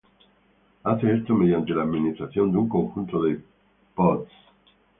Hace esto mediante la administración de un conjunto de pods.